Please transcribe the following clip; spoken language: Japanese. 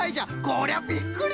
こりゃびっくり！